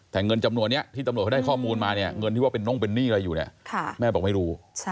แต่เงินจำนวนนี้ที่ตำรวจเขาได้ข้อมูลมาเนี่ยเงินที่ว่าเป็นน่งเป็นหนี้อะไรอยู่เนี่ยแม่บอกไม่รู้